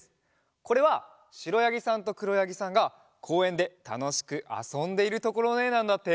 これはしろやぎさんとくろやぎさんがこうえんでたのしくあそんでいるところのえなんだって。